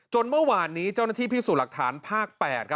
จนเมื่อวานนี้เจ้าหน้าที่พิสุรลักษณ์ภาค๘